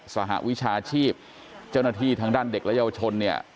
สหวิชาชีพเจ้าหน้าที่ทางด้านเด็กและเยาวชนเนี่ย